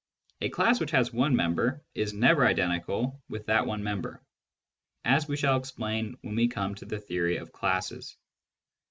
A class which has one member is never identical with that one member, as we shall explain when we come to the theory of classes.)